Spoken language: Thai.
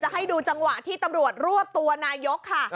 ให้ดูจังหวะที่ตำรวจรวบตัวนายกค่ะ